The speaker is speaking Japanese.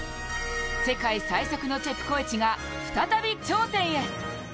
世界最速のチェプコエチが再び頂点へ。